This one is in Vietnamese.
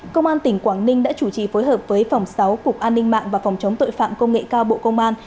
công an tỉnh quảng ninh đã chủ trì phối hợp với phòng sáu cục an ninh mạng và phòng chống tội phạm công nghệ cao bộ công an